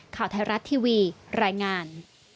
ข่าวไทยรัฐทีวีรายงาน